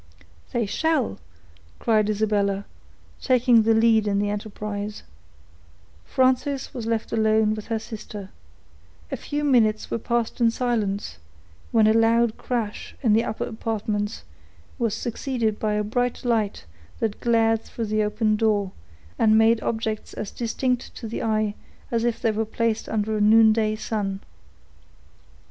"They shall," cried Isabella, taking the lead in the enterprise. Frances was left alone with her sister. A few minutes were passed in silence, when a loud crash, in the upper apartments, was succeeded by a bright light that glared through the open door, and made objects as distinct to the eye as if they were placed under a noonday sun.